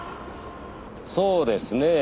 そうですねぇ。